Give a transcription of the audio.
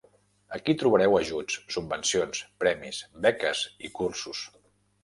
Aquí trobareu ajuts, subvencions, premis, beques i cursos.